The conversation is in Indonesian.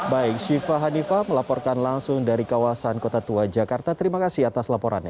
baik syifa hanifah melaporkan langsung dari kawasan kota tua jakarta terima kasih atas laporannya